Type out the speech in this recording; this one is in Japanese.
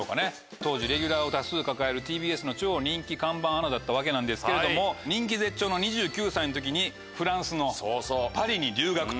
当時レギュラーを多数抱えるＴＢＳの超人気看板アナだったわけなんですけれども人気絶頂の２９歳の時にフランスのパリに留学と。